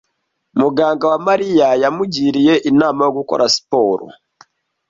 Muganga wa Mariya yamugiriye inama yo gukora siporo.